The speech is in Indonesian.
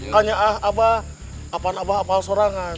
kanya abah apaan abah apaan sorangan